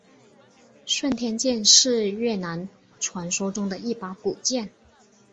顺天剑是越南传说中的一把古剑。